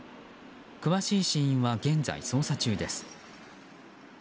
詳しい死因は現在捜査中です。